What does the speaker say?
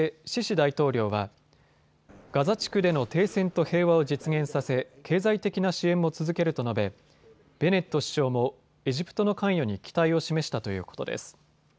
大統領はガザ地区での停戦と平和を実現させ経済的な支援も続けると述べベネット首相もエジプトの関与に期待を示したということです。